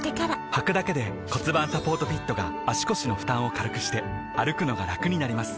はくだけで骨盤サポートフィットが腰の負担を軽くして歩くのがラクになります